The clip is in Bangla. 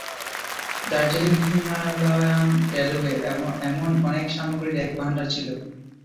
দার্জিলিং হিমালয়ান রেলওয়ে এমন অনেক সামগ্রীর এক ভাণ্ডার ছিল।